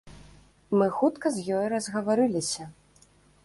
Мы хутка з ёй разгаварыліся.